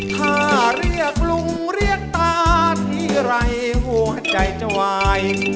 ถ้าเรียกลุงเรียกตาทีไรหัวใจจะวาย